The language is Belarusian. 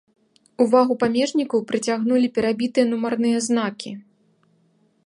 Увагу памежнікаў прыцягнулі перабітыя нумарныя знакі.